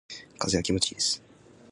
風が気持ちいいです。